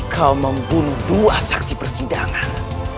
kau membunuh dua saksi persidangan